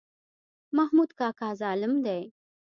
محمود کاکا ظالم دی.